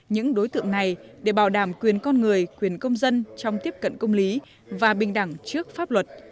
những đối tượng này để bảo đảm quyền con người quyền công dân trong tiếp cận công lý và bình đẳng trước pháp luật